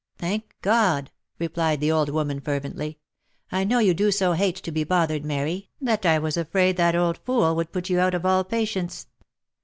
" Thank God !" replied the old woman, fervently, " I know you do so hate to be bothered, Mary, that I was afraid that old fool would put you out of all patience."